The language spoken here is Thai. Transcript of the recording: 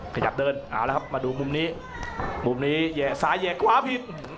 ขยับเดินเอาละครับมาดูมุมนี้มุมนี้แยกซ้ายแยกขวาผิด